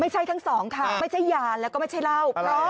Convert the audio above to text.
ไม่ใช่ทั้งสองไม่ใช่ยาหรอกแล้วไม่ใช่เล่า